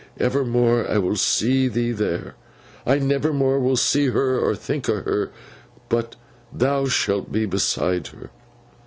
Evermore I will see thee there. I nevermore will see her or think o' her, but thou shalt be beside her.